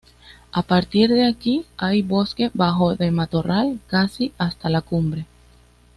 A partir de aquí hay bosque bajo de matorral casi hasta la cumbre.